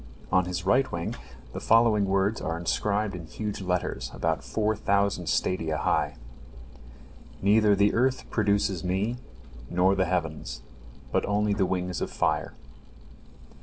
On his right wing the following words are inscribed in huge letters, about four thousand stadia high: "Neither the earth produces me, nor the heavens, but only the wings of fire."